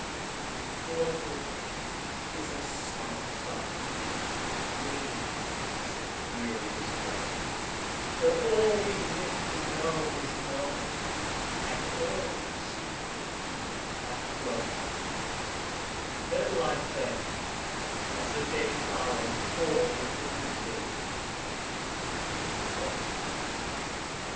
And boyhood is a summer sun Whose waning is the dreariest one For all we live to know is known, And all we seek to keep hath flown Let life, then, as the day flower, fall With the noon day beauty which is all.